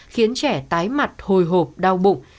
khiến trẻ tái mặt hồi hộp đau bụng